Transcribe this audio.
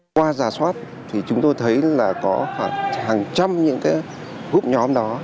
qua giả soát thì chúng tôi thấy là có khoảng hàng trăm những cái vụ nhóm đó